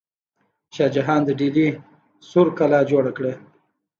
شاه جهان د ډیلي سور کلا جوړه کړه.